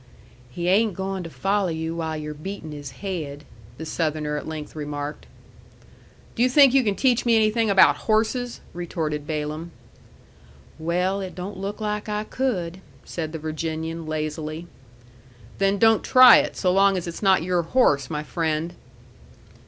"He ain' goin' to follow you while you're beatin' his haid," the Southerner at length remarked. "Do you think you can teach me anything about horses?" retorted Balaam. "Well, it don't look like I could," said the Virginian, lazily. "Then don't try it, so long as it's not your horse, my friend."